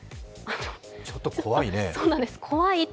ちょっと怖いね。